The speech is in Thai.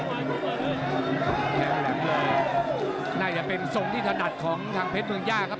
แทงแหลมเลยน่าจะเป็นทรงที่ถนัดของทางเพชรเมืองย่าครับ